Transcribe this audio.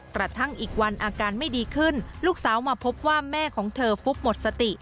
กระทั่งอีกวันอาการไม่ดีขึ้นลูกสาวมาพบว่าแม่ของเธอฟุบหมดสติ